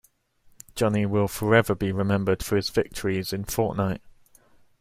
Johnny will forever be remembered for his victories in Fortnite.